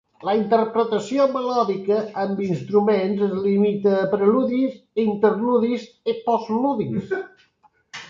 La interpretació melòdica amb instruments es limita a preludis, interludis i postludis.